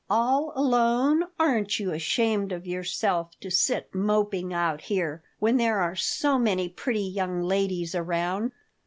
"All alone? Aren't you ashamed of yourself to sit moping out here, when there are so many pretty young ladies around?